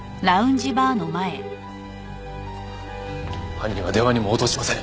犯人は電話にも応答しません。